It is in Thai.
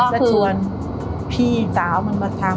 ก็ชวนพี่สาวมันมาทำ